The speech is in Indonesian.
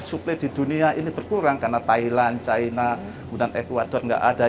suplai di dunia ini berkurang karena thailand china kemudian ecuador tidak ada